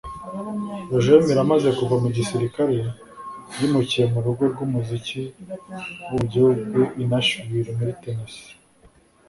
Roger Miller amaze kuva mu gisirikare yimukiye mu rugo rwumuziki wo mu gihugu i Nashville muri Tennesse